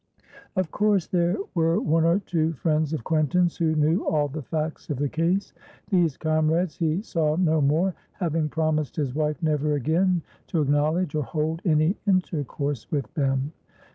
Of course there were one or two friends of Quentin's who knew all the facts of the case; these comrades he saw no more, having promised his wife never again to acknowledge or hold any intercourse with them.